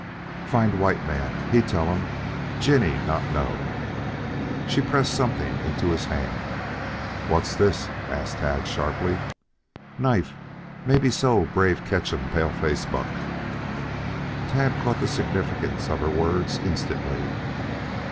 "Find white man. He tell um. Jinny not know." She pressed something into his hand. "What's this?" asked Tad sharply. "Knife. Mebbyso brave catch um paleface buck." Tad caught the significance of her words instantly.